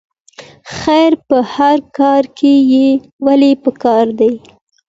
خیر په هر کار کې ولې پکار دی؟